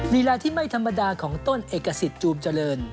ลีลาที่ไม่ธรรมดาของต้นเอกสิทธิ์จูมเจริญ